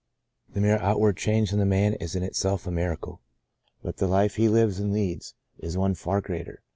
The mere out ward change in the man is in itself a miracle — but the life he lives and leads is one far greater.